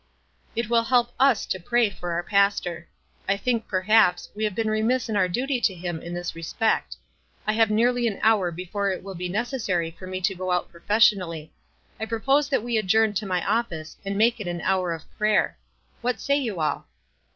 It will help us to pray for our pastor. I think, per haps, w 7 e have been remiss in our duty to him in this respect. I have nearly an hour before it will be necessary for me to go out pioic&aioii 268 WISE AND OTHERWISE. ally. I propose that we adjourn to my office 4 and make it an hour of prayer. What say you all?"